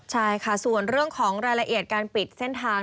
ใช่ค่ะส่วนเรื่องของรายละเอียดการปิดเส้นทาง